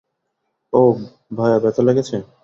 ওহ, ভায়া, ব্যথা লেগেছে।